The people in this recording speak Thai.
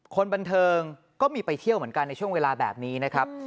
คนบันเทิงก็มีไปเที่ยวเหมือนกันในช่วงเวลาแบบนี้นะครับ